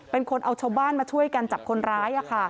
เป็นคนเอาชาวบ้านมาช่วยกันจับคนร้าย